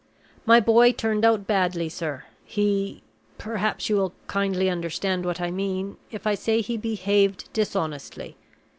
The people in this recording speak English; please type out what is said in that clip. My boy turned out badly, sir. He perhaps you will kindly understand what I mean, if I say he behaved dishonestly.